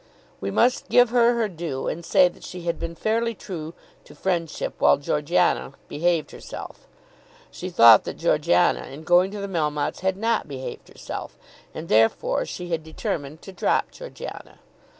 We must give her her due and say that she had been fairly true to friendship while Georgiana behaved herself. She thought that Georgiana in going to the Melmottes had not behaved herself, and therefore she had determined to drop Georgiana.